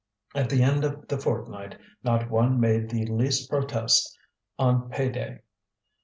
At the end of the fortnight not one made the least protest on pay day.